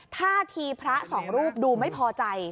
ท่าทีพระสองรูปดูไม่พอใจ